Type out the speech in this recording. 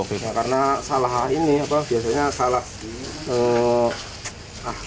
karena salah ini apa biasanya salah